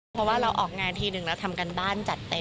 เพราะว่าเราออกงานทีหนึ่งเราทำการบ้านจัดเต็ม